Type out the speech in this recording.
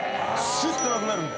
スッとなくなるんで。